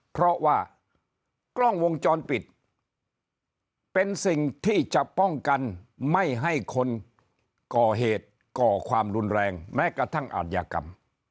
เพราะว่ากล้องวงจรปิดเป็นสิ่งที่จะป้องกันไม่ให้คนก่อเหตุก่อความรุนแรงแม้กระทั่งอาทยากรรม